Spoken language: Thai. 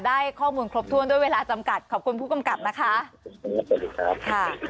ได้ข้อมูลครบถ้วนด้วยเวลาจำกัดขอบคุณผู้กำกับนะคะสวัสดีครับค่ะ